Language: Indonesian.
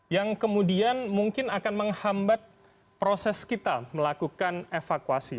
yang kemudian mungkin akan menghambat proses kita melakukan evakuasi